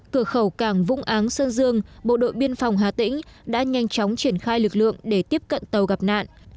cửa khẩu cảng vũng áng sơn dương bộ đội biên phòng hà tĩnh đã nhanh chóng triển khai lực lượng để tiếp cận tàu gặp nạn